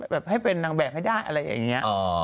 แบบให้เป็นนางแบบให้ได้อะไรอย่างนี้